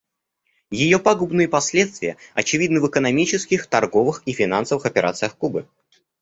Ее пагубные последствия очевидны в экономических, торговых и финансовых операциях Кубы.